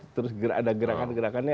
terus ada gerakan gerakannya